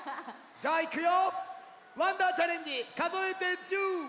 じゃあいくよ。